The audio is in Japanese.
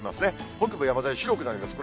北部山沿い、白くなりますね。